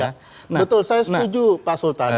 betul saya setuju pak sultan